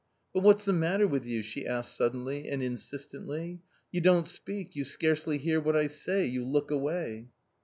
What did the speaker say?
" But what's the matter with you ?" she asked suddenly and insistently ;" you don't speak, you scarcely hear what I say, you look away."